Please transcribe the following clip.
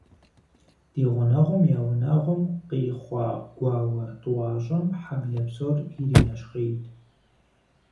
Ди гъунэгъум я унагъуэм къихъуа гуауэ тӏуащӏэм хьэблэ псор иринэщхъейт.